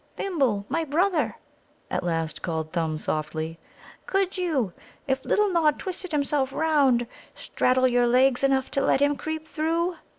"Thimble, my brother," at last called Thumb softly, "could you, if little Nod twisted himself round, straddle your legs enough to let him creep through?